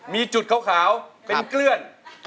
มีจุดขาวเป็นเกลือน